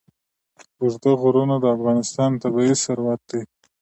اوږده غرونه د افغانستان طبعي ثروت دی.